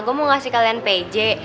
gue mau ngasih kalian pj